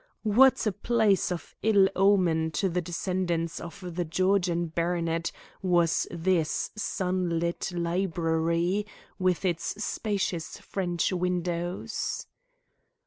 What a place of ill omen to the descendants of the Georgian baronet was this sun lit library with its spacious French windows!